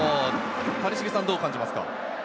谷繁さんはどう感じますか？